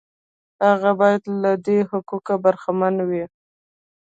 هغه باید له دې حقوقو برخمن وي.